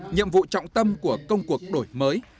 nhiệm vụ trọng tâm của công cuộc đổi mới